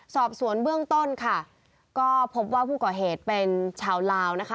สอบสวนเบื้องต้นค่ะก็พบว่าผู้ก่อเหตุเป็นชาวลาวนะคะ